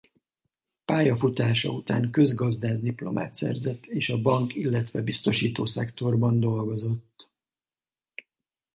Pályafutása után közgazdász diplomát szerzett és a bank illetve biztosító szektorban dolgozott.